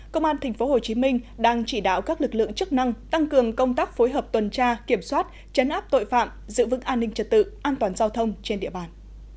công an tp hcm đang chỉ đạo các lực lượng chức năng tăng cường công tác phối hợp tuần tra kiểm soát chấn áp tội phạm giữ vững an ninh trật tự an toàn giao thông trên địa bàn